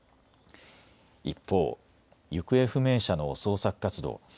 一方、行方不明者の捜索活動。